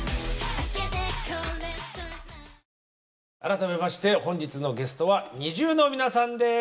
改めまして本日のゲストはＮｉｚｉＵの皆さんです。